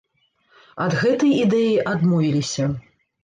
Ад гэтай ідэі адмовіліся.